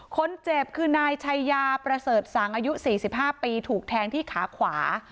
คนเจ็บคือนายชัยยาประเสริฐสังอายุ๔๕ปีถูกแทงที่ขาขวา